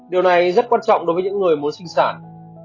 điều này rất quan trọng đối với những người mua sinh sản